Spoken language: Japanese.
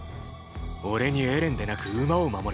俺にエレンでなく馬を守れと？